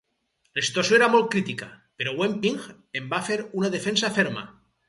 La situació era molt crítica, però Wen Ping en va fer una defensa ferma.